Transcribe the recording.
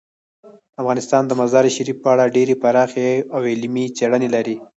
افغانستان د مزارشریف په اړه ډیرې پراخې او علمي څېړنې لري.